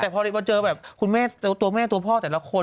แต่พอดีมาเจอแบบคุณแม่ตัวแม่ตัวพ่อแต่ละคน